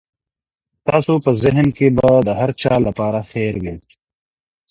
ستاسو په ذهن کي به د هر چا لپاره خیر وي.